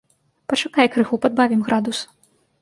Пачакай крыху, падбавім градус.